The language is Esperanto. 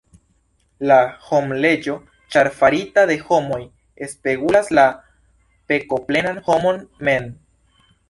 La homleĝo, ĉar farita de homoj, spegulas la pekoplenan homon mem.